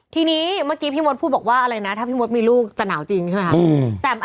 ทีนี้เมื่อกี้พี่มดพูดบอกว่าอะไรนะถ้าพี่มดมีลูกจะหนาวจริงใช่ไหมคะ